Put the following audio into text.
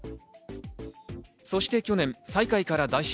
そして去年、最下位から脱出。